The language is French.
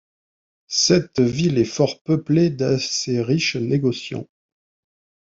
Cette ville est fort peuplée d'assez riches négociants.